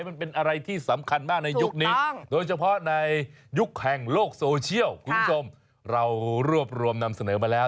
มันเป็นอะไรที่สำคัญมากในยุคนี้โดยเฉพาะในยุคแห่งโลกโซเชียลคุณผู้ชมเรารวบรวมนำเสนอมาแล้ว